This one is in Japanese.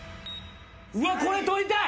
うわっこれ取りたい。